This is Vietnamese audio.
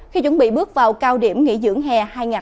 khi chuẩn bị bước vào cao điểm nghỉ dưỡng hè hai nghìn hai mươi bốn